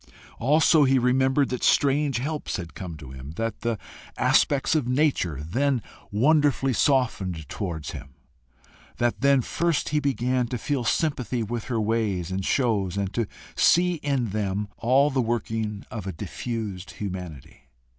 Also he remembered that strange helps had come to him; that the aspects of nature then wonderfully softened towards him, that then first he began to feel sympathy with her ways and shows, and to see in them all the working of a diffused humanity.